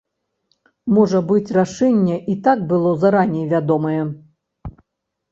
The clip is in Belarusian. Можа быць, рашэнне і так было зараней вядомае.